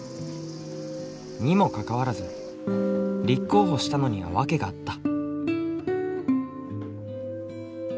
にもかかわらず立候補したのには訳があった。